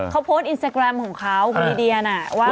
เขาโพสต์อินสตาแกรมของเขาคุณลีเดียน่ะว่า